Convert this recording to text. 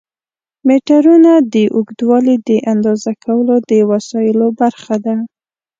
میټرونه د اوږدوالي د اندازه کولو د وسایلو برخه ده.